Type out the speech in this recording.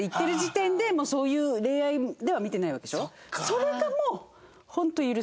それがもう。